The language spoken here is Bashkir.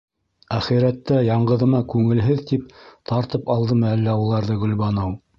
Әхирәттә яңғыҙыма күңелһеҙ тип тартып алдымы әллә уларҙы Гөлбаныу?